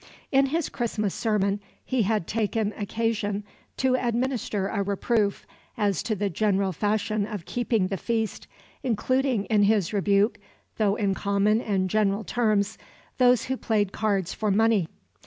In his Christmas sermon he had taken occasion to administer a reproof as to the general fashion of keeping the feast, including in his rebuke, "though in common and general terms," those who played cards for money.